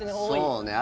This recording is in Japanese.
そうね。